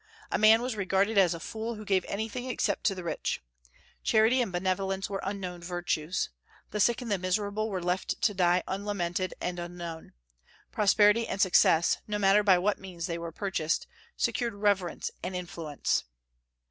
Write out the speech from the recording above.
A man was regarded as a fool who gave anything except to the rich. Charity and benevolence were unknown virtues. The sick and the miserable were left to die unlamented and unknown. Prosperity and success, no matter by what means they were purchased, secured reverence and influence.